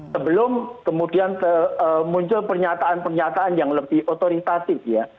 sebelum kemudian muncul pernyataan pernyataan yang lebih otoritatif ya